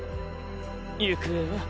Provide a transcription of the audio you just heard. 行方は？